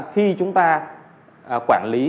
khi chúng ta quản lý